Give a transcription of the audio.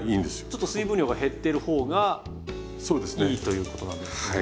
ちょっと水分量が減ってる方がいいということなんですね。